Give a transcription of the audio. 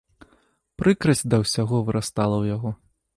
Прыкрасць да ўсяго вырастала ў яго.